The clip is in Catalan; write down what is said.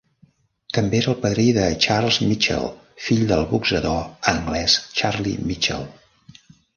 També era el padrí de Charles Mitchell, fill del boxador anglès Charlie Mitchell.